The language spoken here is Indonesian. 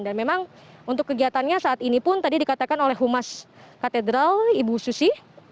dan memang untuk kegiatannya saat ini pun tadi dikatakan oleh humas katedral ibu susi